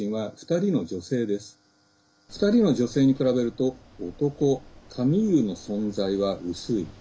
２人の女性に比べると男、カミーユの存在は薄い。